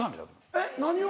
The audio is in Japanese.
えっ何を？